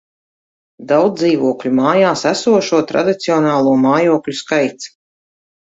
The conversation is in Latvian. Daudzdzīvokļu mājās esošo tradicionālo mājokļu skaits